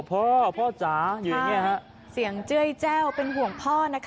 พ่อพ่อจ๋าอยู่อย่างเงี้ฮะเสียงเจ้ยแจ้วเป็นห่วงพ่อนะคะ